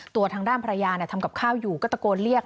ตัวทางด้านภรรยาทำกับข้าวอยู่ก็ตะโกนเรียก